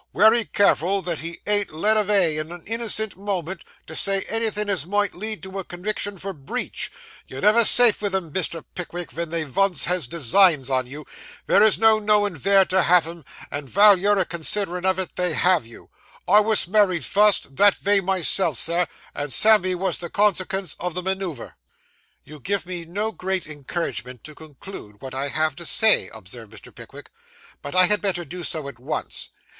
'Wery careful that he ain't led avay, in a innocent moment, to say anythin' as may lead to a conwiction for breach. You're never safe vith 'em, Mr. Pickwick, ven they vunce has designs on you; there's no knowin' vere to have 'em; and vile you're a considering of it, they have you. I wos married fust, that vay myself, Sir, and Sammy wos the consekens o' the manoover.' 'You give me no great encouragement to conclude what I have to say,' observed Mr. Pickwick, 'but I had better do so at once.